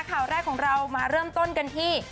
ข่าวแรกของเรามาเริ่มต้นกันที่